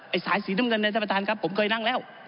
ไอซายสีน้ำนึงในนะประชาญครับผมเคยนั่งแล้ว